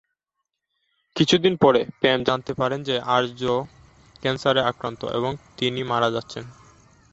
কিছু দিন পরে, প্রেম জানতে পারে যে আর্য ক্যান্সারে আক্রান্ত এবং তিনি মারা যাচ্ছেন।